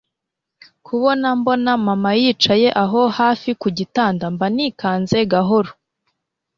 kubona mbona mama yicaye aho hafi kugitanda mba nikanze gahoro